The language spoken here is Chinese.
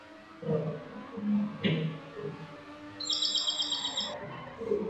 颂遐书室的历史年代为清代。